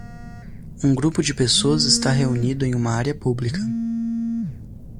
Um grupo de pessoas está reunido em uma área pública.